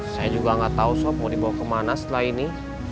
saya juga nggak tahu sop mau dibawa kemana setelah ini